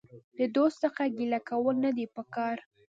د دوست څخه ګيله کول نه دي په کار.